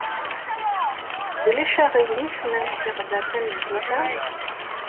Ulac aɣilif ma nsiɣ da tameddit-a?